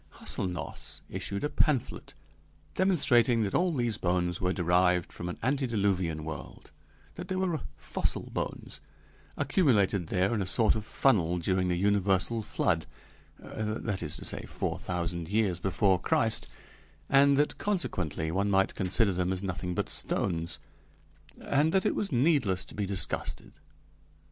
Hâselnoss issued a pamphlet demonstrating that all these bones were derived from an antediluvian world: that they were fossil bones, accumulated there in a sort of funnel during the universal flood that is to say, four thousand years before Christ, and that, consequently, one might consider them as nothing but stones, and that it was needless to be disgusted.